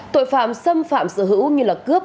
tội phạm xâm phạm sở hữu như là cướp